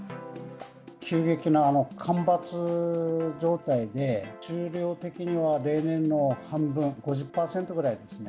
急激な干ばつ状態で、収量的には例年の半分、５０％ぐらいですね。